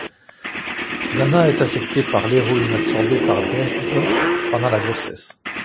Dana est affecté par l’héroïne absorbée par Deirdre pendant la grossesse.